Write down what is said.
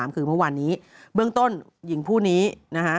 คือเมื่อวานนี้เบื้องต้นหญิงผู้นี้นะฮะ